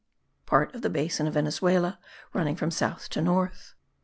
PART OF THE BASIN OF VENEZUELA RUNNING FROM SOUTH TO NORTH.